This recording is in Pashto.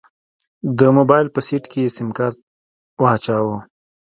د موبايل په سيټ کې يې سيمکارت واچوه.